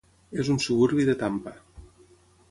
És un suburbi de Tampa.